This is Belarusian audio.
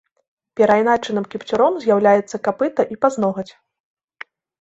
Перайначаным кіпцюром з'яўляецца капыта і пазногаць.